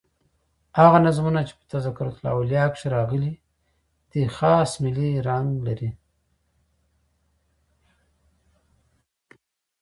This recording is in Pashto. هغه نظمونه چي په "تذکرةالاولیاء" کښي راغلي دي خاص ملي رنګ لري.